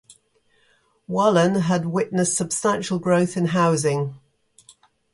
Wallan has witnessed substantial growth in housing.